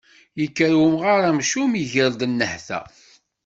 Yekker umɣar amcum, iger-d nnehta.